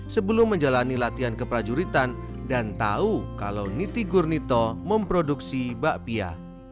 sebelum menjalani latihan keprajuritan dan tahu kalau niti gurnito memproduksi bakpia